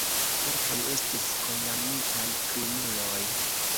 Kelkaj estis kondamnitaj krimuloj.